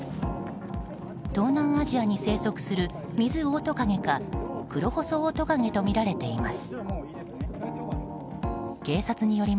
東南アジアに生息するミズオオトカゲかクロホソオオトカゲとみられています。